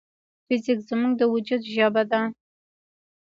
فزیک زموږ د وجود ژبه ده.